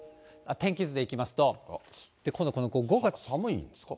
天気図でいきますと、今度この５月。寒いんですか？